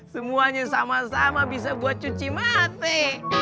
semuanya sama sama bisa buat cuci mati